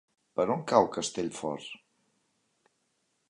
Per on cau Castellfort?